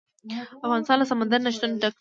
افغانستان له سمندر نه شتون ډک دی.